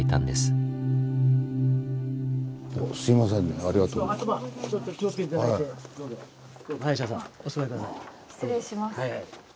失礼します。